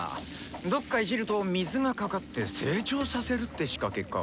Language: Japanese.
どっかいじると水がかかって成長させるって仕掛けか。